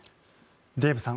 デーブさん